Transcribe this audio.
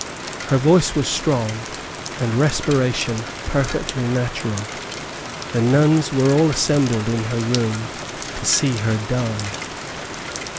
Her voice was strong, and respiration perfectly natural, the nuns were all assembled in her room to see her die.